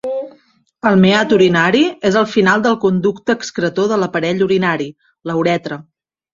El meat urinari és el final del conducte excretor de l'aparell urinari, la uretra.